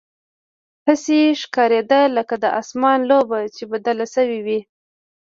هسې ښکارېده لکه د اسمان لوبه چې بدله شوې وي.